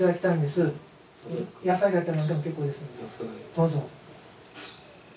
どうぞ。